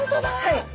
はい。